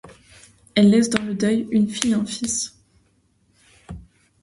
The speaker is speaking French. Elle laisse dans le deuil une fille et un fils.